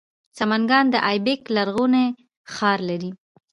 سمنګان د ایبک لرغونی ښار لري